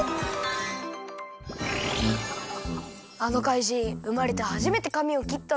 あのかいじんうまれてはじめてかみをきったのか。